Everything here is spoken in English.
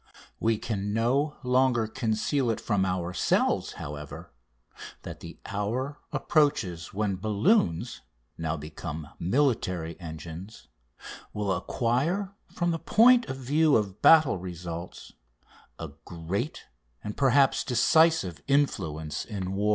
We can no longer conceal it from ourselves, however, that the hour approaches when balloons, now become military engines, will acquire, from the point of view of battle results, a great and, perhaps, decisive influence in war."